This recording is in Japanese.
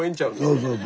そうそう。